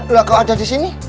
lo kok ada di sini